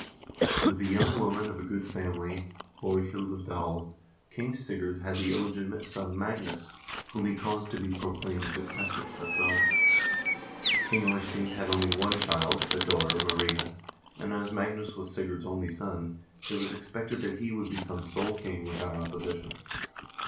With a young woman of good family, Borghild of Dal, King Sigurd had the illegitimate son Magnus, whom he caused to be proclaimed successor to the throne. King Eystein had only one child, a daughter, Maria, and as Magnus was Sigurd's only son, it was expected that he would become sole king without opposition.